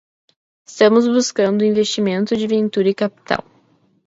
Estamos buscando investimento de venture capital.